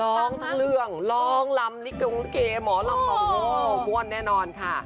ร้องทั้งเรื่องร้องลำลิกงลิเกหมอลำบอกโอ้โหม่วนแน่นอนค่ะ